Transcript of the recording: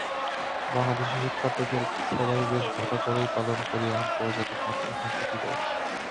বাংলাদেশি শিক্ষার্থীদের সবাই বেশ ঘটা করেই পালন করি আন্তর্জাতিক মাতৃভাষা দিবস।